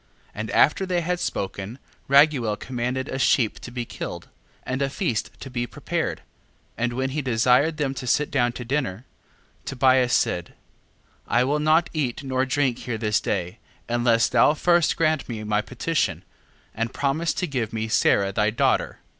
7:9. And after they had spoken, Raguel commanded a sheep to be killed, and a feast to be prepared. And when he desired them to sit down to dinner, 7:10. Tobias said: I will not eat nor drink here this day, unless thou first grant me my petition, and promise to give me Sara thy daughter.